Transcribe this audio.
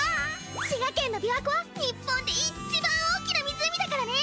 滋賀県の琵琶湖は日本で一番大きな湖だからね！